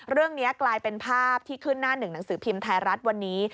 เรื่องนี้กลายเป็นภาพที่ขึ้นหน้าหนึ่งหนังสือพิมพ์ไทยรัฐวันนี้